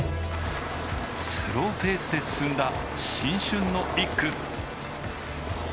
スローペースで進んだ新春の１区。